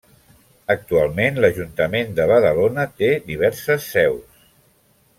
Actualment l'Ajuntament de Badalona té diverses seus.